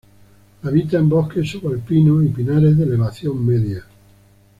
Habita en bosques subalpinos y pinares de elevación media.